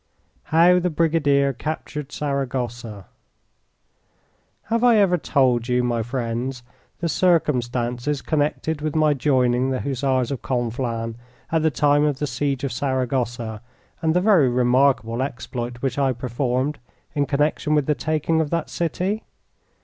How the Brigadier Captured Saragossa Have I ever told you, my friends, the circumstances connected with my joining the Hussars of Conflans at the time of the siege of Saragossa and the very remarkable exploit which I performed in connection with the taking of that city?